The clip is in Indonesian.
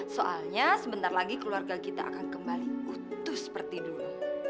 soalnya sebentar lagi keluarga kita akan kembali utuh seperti dulu